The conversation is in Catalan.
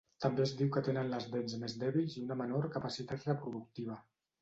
També es diu que tenen les dents més dèbils i una menor capacitat reproductiva.